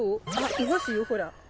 いますよほら。